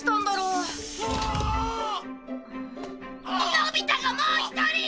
のび太がもう１人！